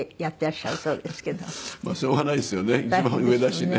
しょうがないですよね一番上だしね。